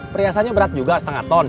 perhiasannya berat juga setengah ton